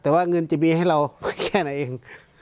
แต่ว่าเงินจะมีให้เราแค่ไหนเอง